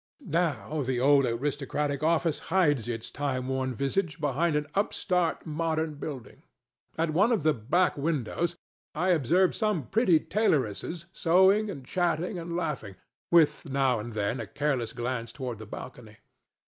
Now the old aristocratic edifice hides its time worn visage behind an upstart modern building; at one of the back windows I observed some pretty tailoresses sewing and chatting and laughing, with now and then a careless glance toward the balcony.